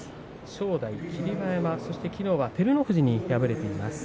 正代、霧馬山そしてきのうは照ノ富士に敗れています。